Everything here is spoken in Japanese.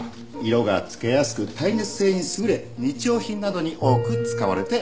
色がつけやすく耐熱性に優れ日用品などに多く使われております。